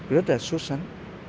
rất là xuất sẵn